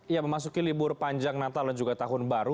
ya memasuki libur panjang natal dan juga tahun baru